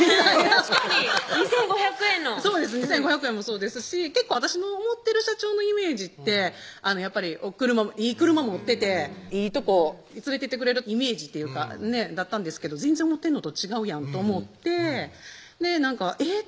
確かに２５００円のそうです２５００円もそうですし結構私の思ってる社長のイメージってやっぱりいい車持ってていいとこ連れていってくれるイメージだったんですけど全然思ってんのと違うやんと思ってえっ？